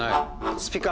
スピカ